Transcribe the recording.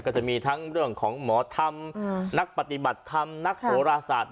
ก็จะมีทั้งเรื่องของหมอธรรมนักปฏิบัติธรรมนักโหราศาสตร์